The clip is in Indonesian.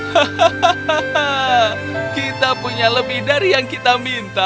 hahaha kita punya lebih dari yang kita minta